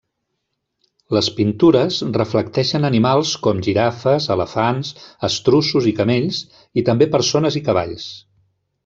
Les pintures reflecteixen animals com girafes, elefants, estruços i camells, i també persones i cavalls.